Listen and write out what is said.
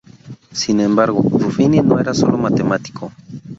Sin embargo, Ruffini no era sólo matemático.